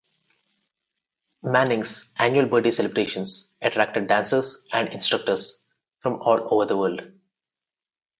Manning's annual birthday celebrations attracted dancers and instructors from all over the world.